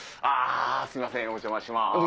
あぁすみませんお邪魔します。